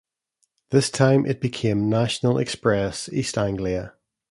This time it became National Express East Anglia.